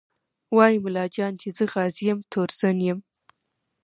وايي ملا جان چې زه غازي یم تورزن یم